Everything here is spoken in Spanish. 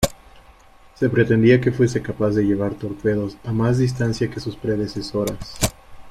Se pretendía que fuese capaz de llevar torpedos a más distancia que sus predecesoras.